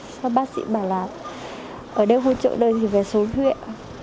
sau bác sĩ bảo là ở đây hỗ trợ đời thì phải xuống huyện